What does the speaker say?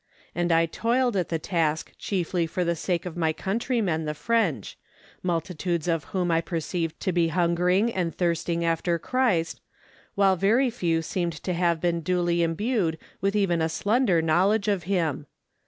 And I toiled at the task chiefly for the sake of my countrymen the French, multitudes of whom I perceived to be hungering and thirsting after Christ, while very few seemed to have been duly imbued with even a slender knowledge of him.